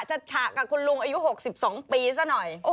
ฉะกับคุณลุงอายุ๖๒ปีซะหน่อย